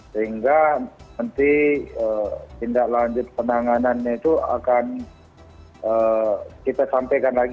sehingga nanti tindak lanjut penanganannya itu akan kita sampaikan lagi